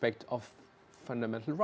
penghormatan hak asal